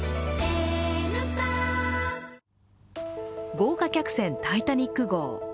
豪華客船「タイタニック」号。